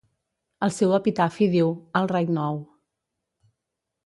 El seu epitafi diu "All Right Now".